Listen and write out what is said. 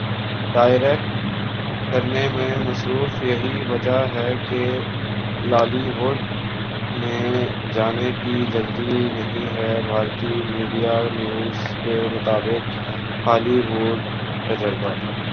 direct کرنے میں مصروف یہی وجہ ہے کہ لالی ووڈ میں جانے کی جلدی نہیں ہے بھارتی میڈیا نیوز کے مطابق ہالی ووڈ تجربہ